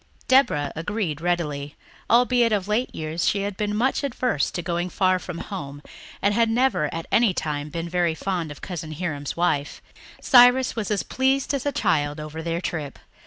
Deborah agreed readily, albeit of late years she had been much averse to going far from home and had never at any time been very fond of Cousin Hiram's wife. Cyrus was as pleased as a child over their trip.